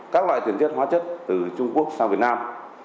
các loại tiền chất hóa chất từ trung quốc sang việt nam